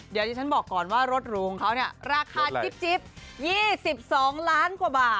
เดี๋ยวที่ฉันบอกก่อนว่ารถหรูของเขาเนี่ยราคาจิ๊บ๒๒ล้านกว่าบาท